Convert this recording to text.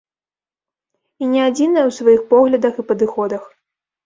І не адзіная ў сваіх поглядах і падыходах.